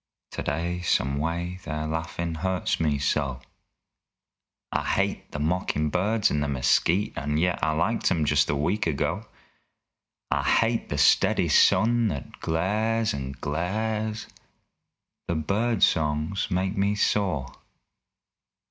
Today, some way, their laughin' hurts me so. I hate the mockin' birds in the mesquite And yet I liked 'em just a week ago. I hate the steady sun that glares, and glares! The bird songs make me sore.